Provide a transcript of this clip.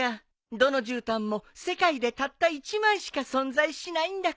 どのじゅうたんも世界でたった一枚しか存在しないんだから。